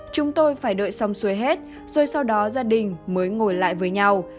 chúng tôi phải đợi xong xuế hết rồi sau đó gia đình mới ngồi lại với nhau